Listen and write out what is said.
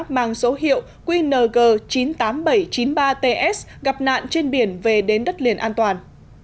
mang số hiệu qng chín mươi tám nghìn bảy trăm chín mươi ba ts gặp nạn trên biển về đến đất liền an toàn